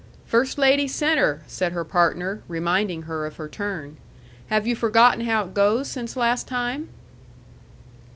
"First lady, centre!" said her partner, reminding her of her turn. "Have you forgotten how it goes since last time?"